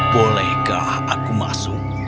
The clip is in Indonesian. bolehkah aku masuk